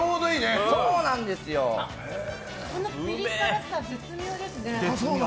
このピリ辛さ絶妙ですね。